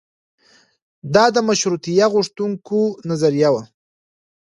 دا د مشروطیه غوښتونکیو نظریه وه.